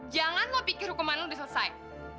jangan lo pikir hukuman lo udah selesai